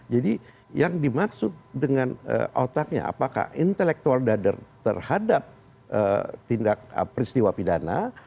jadi yang dimaksud dengan otaknya apakah intelektual dader terhadap tindak peristiwa pidana